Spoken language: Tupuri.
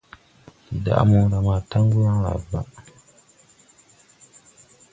Ndi daʼ mota ma taŋgu yaŋ layblaʼ.